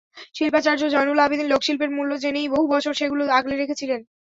শিল্পাচার্য জয়নুল আবেদিন লোকশিল্পের মূল্য জেনেই বহু বছর সেগুলো আগলে রেখেছিলেন।